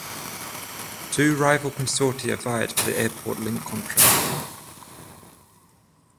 Two rival consortia vied for the airport link contract.